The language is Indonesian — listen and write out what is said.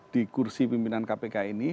di kursi pimpinan kpk ini